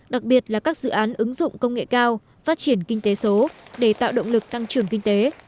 đặc biệt là các dự án ứng dụng công nghệ cao phát triển kinh tế số để tạo động lực tăng trưởng kinh tế